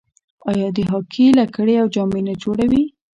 آیا د هاکي لکړې او جامې نه جوړوي؟